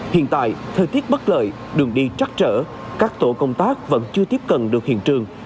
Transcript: hiện tại thời tiết bất lợi đường đi trắc trở các tổ công tác vẫn chưa tiếp cận được hiện trường